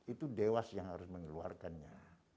itu dewas yang harus mengeluarkannya